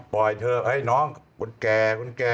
ปล่อยเธอให้น้องคนแก่